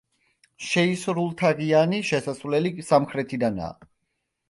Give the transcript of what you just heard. შეისრულთაღიანი შესასვლელი სამხრეთიდანაა.